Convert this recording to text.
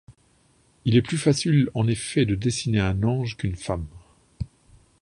Il est plus facile en effet de dessiner un ange quʼune femme.